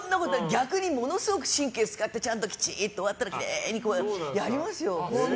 逆にものすごい神経使ってちゃんときちっと終わったらきれいにやりますよ。